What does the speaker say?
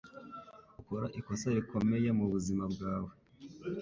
Ukora ikosa rikomeye mubuzima bwawe.